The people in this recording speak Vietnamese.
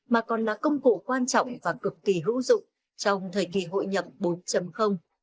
mà còn là công cụ quan trọng và cực kỳ hữu dụng trong thời kỳ hội nhập bốn